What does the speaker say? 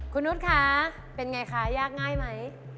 คุณนุษย์คะเป็นไงคะยากง่ายไหม